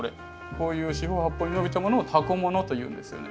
こういう四方八方に伸びたものをタコ物というんですよね。